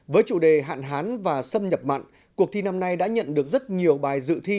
với chủ đề hạn hán và xâm nhập mặn cuộc thi năm nay đã nhận được rất nhiều bài dự thi